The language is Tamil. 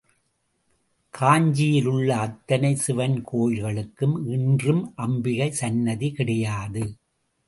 காஞ்சியில் உள்ள அத்தனை சிவன் கோயில்களுக்கும் இன்றும் அம்பிகை சந்நிதி கிடையாது.